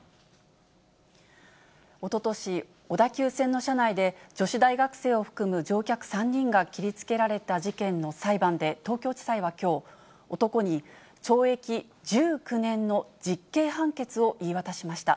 おととし、小田急線の車内で、女子大学生を含む乗客３人が切りつけられた事件の裁判で、東京地裁はきょう、男に懲役１９年の実刑判決を言い渡しました。